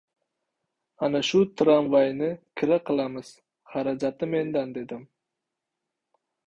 Ana shu tramvayni kira qilamiz! Xarajati mendan! — dedim.